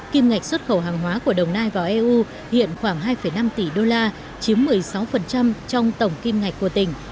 kim ngạch xuất khẩu hàng hóa của đồng nai vào eu hiện khoảng hai năm tỷ đô la chiếm một mươi sáu trong tổng kim ngạch của tỉnh